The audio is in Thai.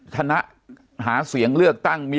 ทะนะหาเสียงเลือกตั้ง